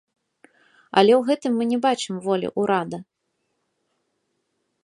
Але ў гэтым мы не бачым волі ўрада.